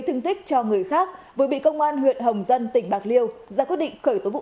thương tích cho người khác vừa bị công an huyện hồng dân tỉnh bạc liêu ra quyết định khởi tố vụ